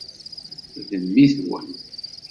D mmi-twen.